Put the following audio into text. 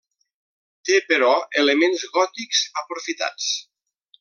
Té, però, elements gòtics aprofitats.